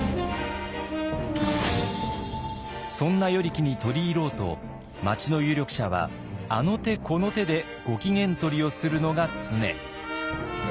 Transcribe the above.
そんな与力に取り入ろうと町の有力者はあの手この手でご機嫌取りをするのが常。